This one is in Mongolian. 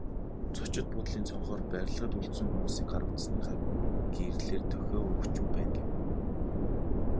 Зочид буудлын цонхоор барилгад үлдсэн хүмүүс гар утасныхаа гэрлээр дохио өгч байна гэв.